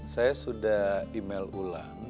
saya sudah email ulang